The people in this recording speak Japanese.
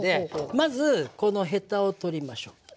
まずこのヘタを取りましょう。